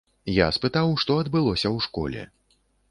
Я спытаў, што адбылося ў школе.